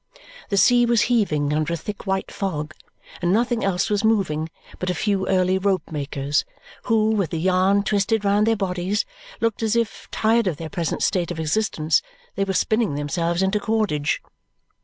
The sea was heaving under a thick white fog; and nothing else was moving but a few early ropemakers, who, with the yarn twisted round their bodies, looked as if, tired of their present state of existence, they were spinning themselves into cordage.